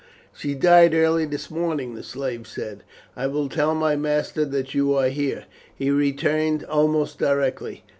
"She died early this morning," the slave said. "I will tell my master that you are here." He returned almost directly.